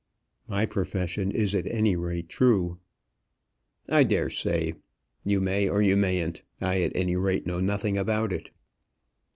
"My profession is at any rate true." "I daresay. You may or you mayn't; I at any rate know nothing about it."